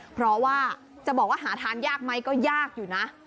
เพราะว่าจะบอกว่าหาทานยากไหมก็ยากอยู่นะ